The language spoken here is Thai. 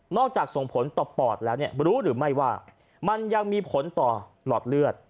จากส่งผลต่อปอดแล้วเนี่ยรู้หรือไม่ว่ามันยังมีผลต่อหลอดเลือด